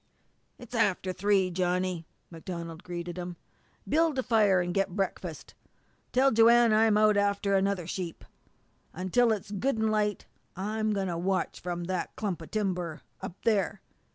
"It's after three, Johnny," MacDonald greeted him. "Build a fire and get breakfast. Tell Joanne I'm out after another sheep. Until it's good an' light I'm going to watch from that clump of timber up there.